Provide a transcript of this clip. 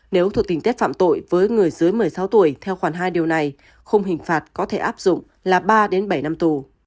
nếu thuộc tình tiết phạm tội với người dưới một mươi sáu tuổi theo khoản hai điều này khung hình phạt có thể áp dụng là ba bảy năm tù